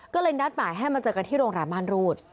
ก็เลยนัดหมายให้มาเจอกันที่โรงแรมม่านรูด